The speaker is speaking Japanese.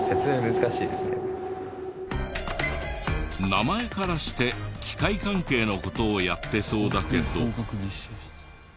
名前からして機械関係の事をやってそうだけど。